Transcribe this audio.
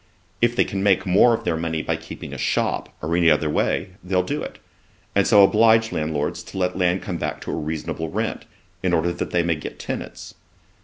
If they can make more of their money by keeping a shop, or any other way, they'll do it, and so oblige landlords to let land come back to a reasonable rent, in order that they may get tenants.